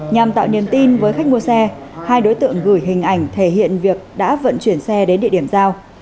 nhằm tạo niềm tin với khách mua xe hai đối tượng gửi hình ảnh thể hiện việc đã vận chuyển xe đến địa điểm giao